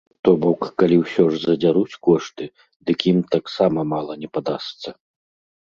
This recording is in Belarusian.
То бок, калі ўсё ж задзяруць кошты, дык ім таксама мала не падасца!